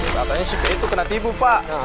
katanya si pei itu kena tipu pak